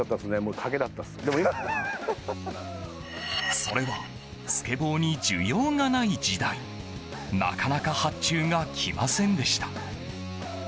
それはスケボーに需要がない時代なかなか発注がきませんでした。